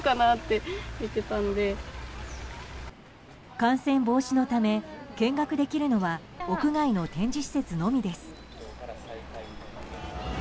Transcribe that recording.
感染防止のため見学できるのは屋外の展示施設のみです。